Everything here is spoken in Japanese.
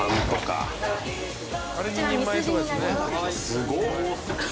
すごっ。